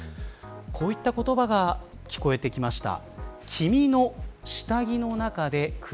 こういった言葉が聞こえてきました。